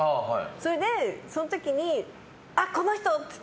それでその時に、この人！って。